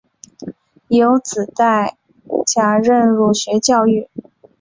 有子戴槚任儒学教谕。